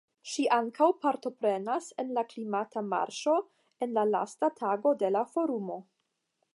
Ŝi ankaŭ partoprenas en la klimata marŝo en la lasta tago de la Forumo.